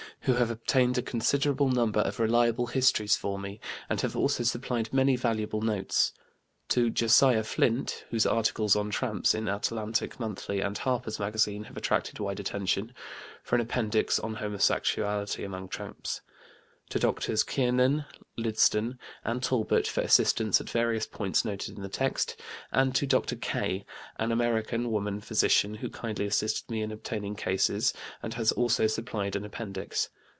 who have obtained a considerable number of reliable histories for me, and have also supplied many valuable notes; to "Josiah Flynt" (whose articles on tramps in Atlantic Monthly and Harper's Magazine have attracted wide attention) for an appendix on homosexuality among tramps; to Drs. Kiernan, Lydston, and Talbot for assistance at various points noted in the text; and to Dr. K., an American woman physician, who kindly assisted me in obtaining cases, and has also supplied an appendix.